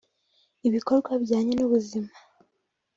ibikorwa bijyanye n’ubuzima